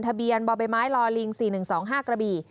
ทะเบียนบ่อใบไม้ลอลิง๔๑๒๕กระบี่